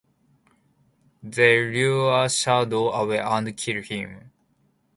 They lure Shadow away and kill him.